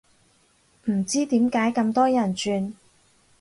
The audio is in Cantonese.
唔知點解咁多人轉